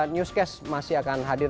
newscast masih akan hadir